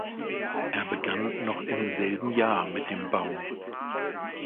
Er begann noch im selben Jahr mit dem Bau.